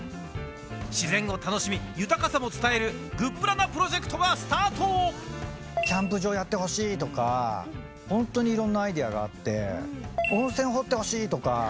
自然を楽しみ、豊かさも伝える、グップラなプロジェクトがスターキャンプ場やってほしいとか、本当にいろんなアイデアがあって、温泉掘ってほしいとか。